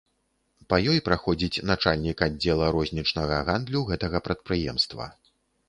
Па ёй праходзіць начальнік аддзела рознічнага гандлю гэтага прадпрыемства.